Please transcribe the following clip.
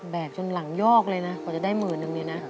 จนหลังยอกเลยนะกว่าจะได้หมื่นนึงเนี่ยนะ